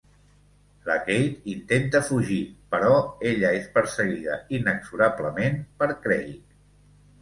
La Kate intenta fugir, però ella és perseguida inexorablement per Craig.